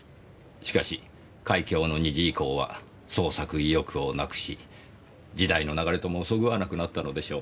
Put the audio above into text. しかし『海峡の虹』以降は創作意欲をなくし時代の流れともそぐわなくなったのでしょう。